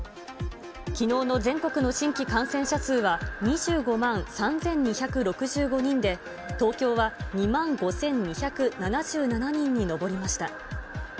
きのうの全国の新規感染者数は、２５万３２６５人で、東京は２万５２７７人に上りました。